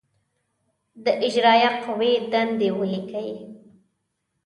د اجرائیه قوې دندې ولیکئ.